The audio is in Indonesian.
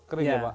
kering ya pak